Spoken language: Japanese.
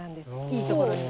いいところに。